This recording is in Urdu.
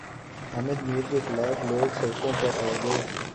حامد میر کے خلاف لوگ سڑکوں پر آگۓ